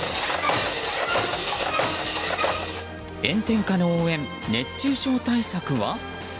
炎天下の応援、熱中症対策は？